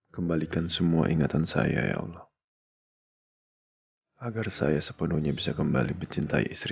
kamu ada di sini